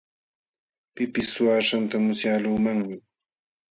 Pipis suwaaśhqanta musyaqluumanmi.